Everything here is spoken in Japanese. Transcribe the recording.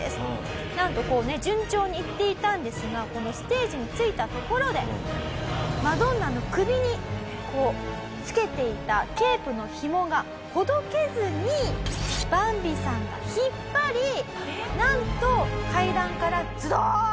なんとこうね順調にいっていたんですがこのステージに着いたところでマドンナの首に着けていたケープのひもがほどけずにバンビさんが引っ張りなんと階段からズドーン！